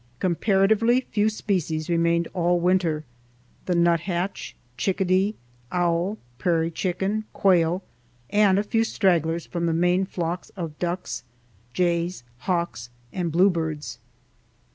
Comparatively few species remained all winter, the nuthatch, chickadee, owl, prairie chicken, quail, and a few stragglers from the main flocks of ducks, jays, hawks, and bluebirds.